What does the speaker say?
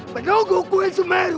penunggu kuin sumeru